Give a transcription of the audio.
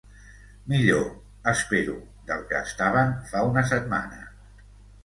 Millor, espero, del que estaven fa una setmana.